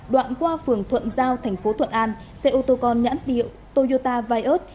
đoạn qua phường thuận giao tp thuận an xe ô tô con nhãn tiệu toyota vios